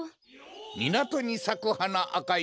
みなとにさくはなあかいはな。